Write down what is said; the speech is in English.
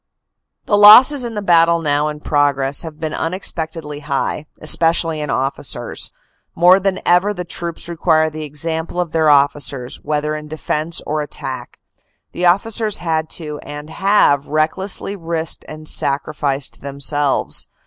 " The losses in the battle now in progress have been unex pectedly high, especially in officers. More than ever the troops require the example of their officers, whether in defense or attack. The officers had to, and have, recklessly risked and sacrificed themselves.